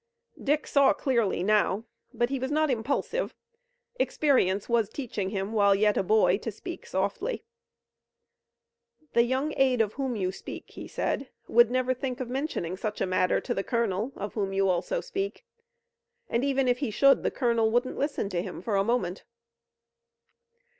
Dick saw clearly now, but he was not impulsive. Experience was teaching him, while yet a boy, to speak softly. "The young aide of whom you speak," he said, "would never think of mentioning such a matter to the colonel, of whom you also speak, and even if he should, the colonel wouldn't listen to him for a moment."